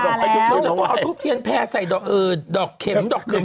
พวกเขาเอาทุกเทียนแพร่ใส่ดอกเข็มดอกเหลืม